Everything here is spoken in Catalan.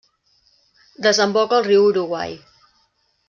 Desemboca al Riu Uruguai.